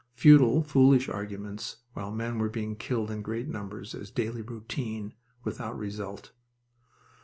Futile, foolish arguments, while men were being killed in great numbers, as daily routine, without result!